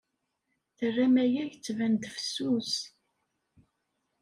Terram aya yettban-d fessus.